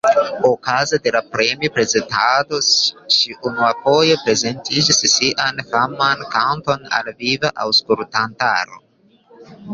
Okaze de la premi-prezentado ŝi unuafoje prezentis sian faman kanton al viva aŭskultantaro.